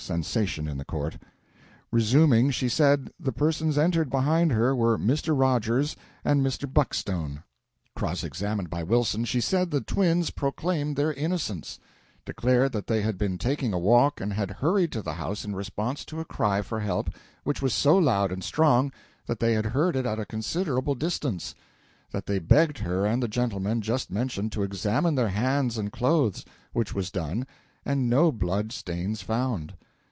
Sensation in the court.] Resuming, she said the persons entering behind her were Mr. Rogers and Mr. Buckstone. Cross examined by Wilson, she said the twins proclaimed their innocence; declared that they had been taking a walk, and had hurried to the house in response to a cry for help which was so loud and strong that they had heard it at a considerable distance; that they begged her and the gentlemen just mentioned to examine their hands and clothes which was done, and no blood stains found.